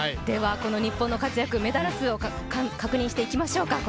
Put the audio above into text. この日本の活躍、メダル数を確認していきましょうか。